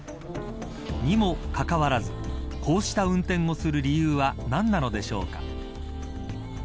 にもかかわらずこうした運転をする理由は何なのでしょうか。